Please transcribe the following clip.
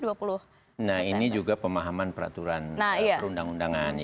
nah ini juga pemahaman peraturan perundang undangan